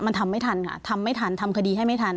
มันทำไม่ทันค่ะทำไม่ทันทำคดีให้ไม่ทัน